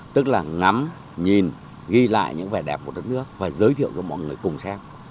tức là ngắm nhìn ghi lại những vẻ đẹp của đất nước và giới thiệu cho mọi người cùng xem